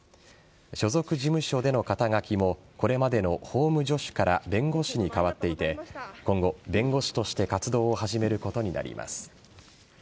所属事務所での肩書きもこれまでの法務助手から弁護士に変わっていて今後、弁護士として活動を始めることになります。